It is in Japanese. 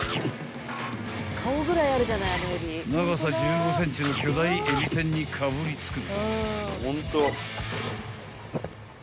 ［長さ１５ｃｍの巨大エビ天にかぶりつく］